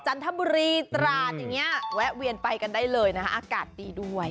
จันทบุรีตราดอย่างนี้แวะเวียนไปกันได้เลยนะคะอากาศดีด้วย